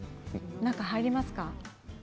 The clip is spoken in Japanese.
中に入りますか？